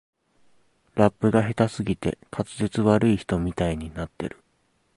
ラップが下手すぎて滑舌悪い人みたいになってる